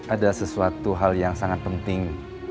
ada sesuatu hal yang sangat penting